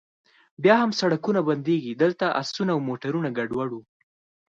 بیا هم سړکونه بندیږي، دلته اسونه او موټرونه ګډوډ و.